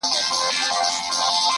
زه احسان د سپلنیو پر ځان نه وړم،